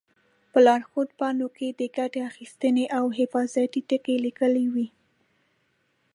په لارښود پاڼو کې د ګټې اخیستنې او حفاظتي ټکي لیکلي وي.